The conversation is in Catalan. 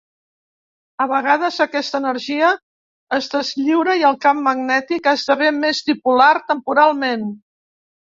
A vegades aquesta energia es deslliura i el camp magnètic esdevé més dipolar temporalment.